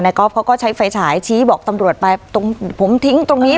ก๊อฟเขาก็ใช้ไฟฉายชี้บอกตำรวจไปตรงผมทิ้งตรงนี้